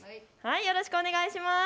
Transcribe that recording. よろしくお願いします。